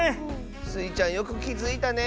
スイちゃんよくきづいたね！